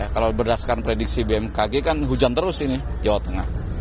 kalau berdasarkan prediksi bmkg kan hujan terus ini jawa tengah